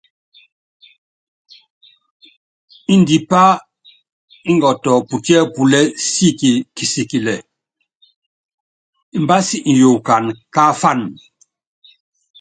Ndipá ngɔtɔ putíɛ́púlɛ siki kisikilɛ, imbási iyukana káafan.